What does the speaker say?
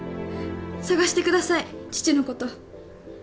捜してください父のこと。